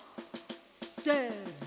せの！